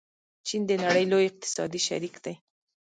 چین د نړۍ لوی اقتصادي شریک دی.